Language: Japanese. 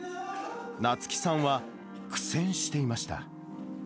なつきさんは苦戦していました。